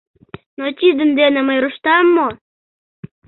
Но тидын дене мый руштам мо?